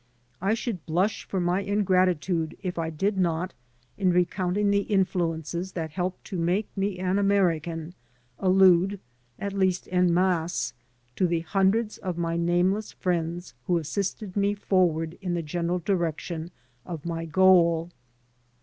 I should blush for my ingratitude if I did not, in recounting the influences that helped to make me an American, allude, at least en rriasse, to the hundreds of my nameless friends who assisted me forward in the general direction of my goal.